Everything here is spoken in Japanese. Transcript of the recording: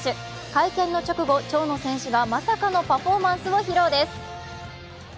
会見の直後、長野選手がまさかのパフォーマンスを披露です。